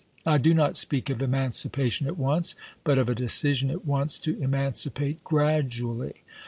I do not speak of emancipa tion at once, but of a decision at once to emancipate gradually.